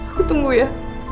aku tunggu ya